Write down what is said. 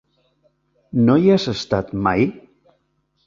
No hi has estat mai?